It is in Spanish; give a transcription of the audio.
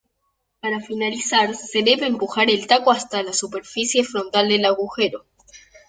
Para finalizar, se debe empujar el taco hasta la superficie frontal del agujero.